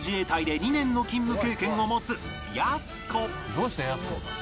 「どうしてやす子が？」